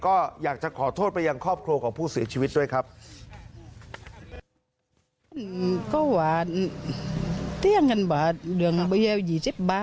ก็อยากจะขอโทษไปยังครอบครัวของผู้เสียชีวิตด้วยครับ